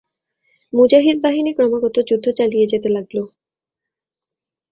মুজাহিদ বাহিনী ক্রমাগত যুদ্ধ চালিয়ে যেতে লাগল।